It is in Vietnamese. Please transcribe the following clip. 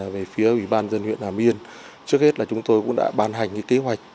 về phía ủy ban dân huyện hà miên trước hết là chúng tôi cũng đã ban hành kế hoạch